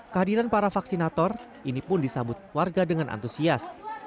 kehadiran para vaksinator ini pun disambut warga dengan antusias